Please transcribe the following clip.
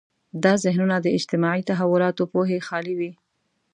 دا ذهنونه د اجتماعي تحولاتو پوهې خالي وي.